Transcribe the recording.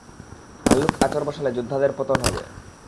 ভাল্লুক আঁচড় বসালে যোদ্ধাদের পতন হবে।